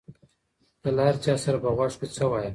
ته له هر چا سره په غوږ کې څه وایې؟